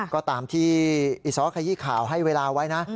ก็ตามที่อีซ้อขยี้ข่าวให้เวลาไว้นะ